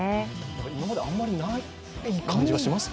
今まであまりない感じがします